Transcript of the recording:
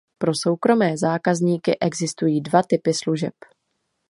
Pro soukromé zákazníky existují dva typy služeb.